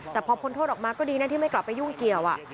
แต่พอพ้นโทษออกมาก็ดีนะที่ไม่กลับไปยุ่งเกี่ยว